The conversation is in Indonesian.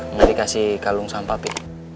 nanti dikasih kalung sampah pi